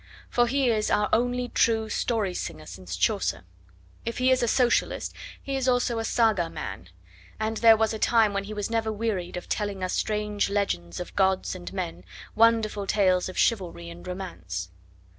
For he is our only true story singer since Chaucer; if he is a Socialist, he is also a Saga man; and there was a time when he was never wearied of telling us strange legends of gods and men, wonderful tales of chivalry and romance.